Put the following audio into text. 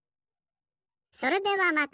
それではまた！